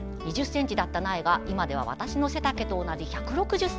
２０ｃｍだった苗が今は私の背丈と同じ１６０ｃｍに。